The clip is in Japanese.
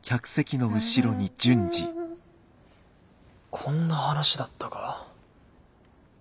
こんな話だったか？